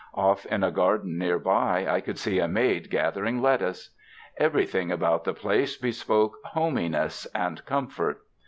Off in a garden nearby I could see a maid gathering lettuce. Everything about the place be spoke "homeyness" and comfort.